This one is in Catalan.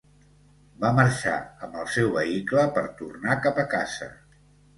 Va marxar amb el seu vehicle per tornar cap a casa.